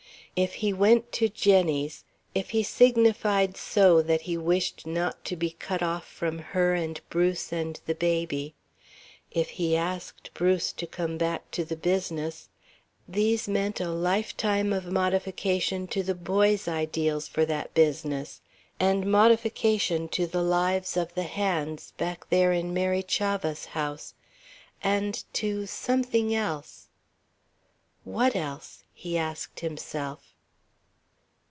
If he went to Jenny's, if he signified so that he wished not to be cut off from her and Bruce and the baby, if he asked Bruce to come back to the business, these meant a lifetime of modification to the boy's ideals for that business, and modification to the lives of the "hands" back there in Mary Chavah's house and to something else.... "What else?" he asked himself.